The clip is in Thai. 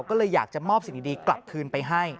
ก็เลยอยากจะมอบสิ่งดีกลับคืนไปให้